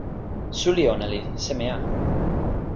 suli ona li seme a?